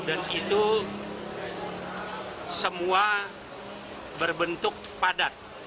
dan itu semua berbentuk padat